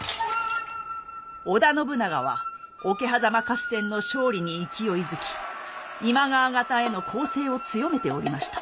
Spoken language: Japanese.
織田信長は桶狭間合戦の勝利に勢いづき今川方への攻勢を強めておりました。